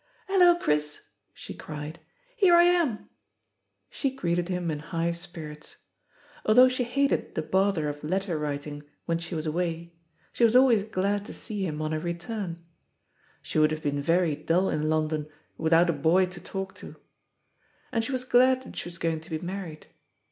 "Hallo, Chris," she cried, ''here I am!" She greeted him in high spirits. Although she hated Ihe bother of letter writing when she was away, she was always glad to see him on her return — ^she would have been very dull in Lon don "without a boy to talk to." And she was glad that she was going to be married.